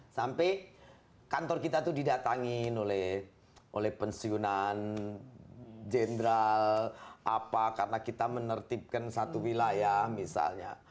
sampai kantor kita itu didatangin oleh pensiunan jenderal apa karena kita menertibkan satu wilayah misalnya